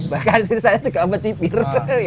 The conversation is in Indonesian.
bahkan saya juga mencipir